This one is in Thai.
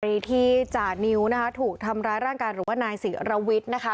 บริธีจ่านิวถูกทำร้ายร่างการหรือว่านายศรีอรวิทนะคะ